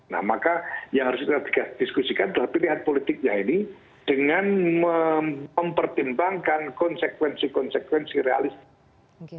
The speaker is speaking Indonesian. nah maka yang harus kita diskusikan adalah pilihan politiknya ini dengan mempertimbangkan konsekuensi konsekuensi realistik